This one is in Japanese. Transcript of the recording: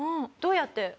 どうやって？